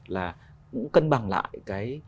là cũng cân bằng lại cái